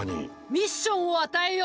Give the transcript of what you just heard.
ミッションを与えよう！